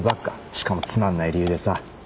しかもつまんない理由でさ。